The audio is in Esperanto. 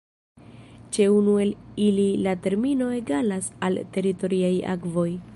Ĉe unu el ili la termino egalas al teritoriaj akvoj.